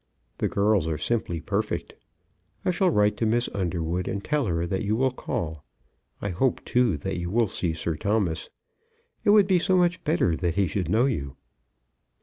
The girls are simply perfect. I shall write to Miss Underwood, and tell her that you will call. I hope, too, that you will see Sir Thomas. It would be so much better that he should know you."